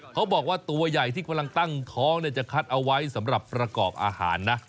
เขาบอกว่าตัวใหญ่ที่กำลังตั้งท้องจะคัดเอาไว้สำหรับประกอบอาหารนะ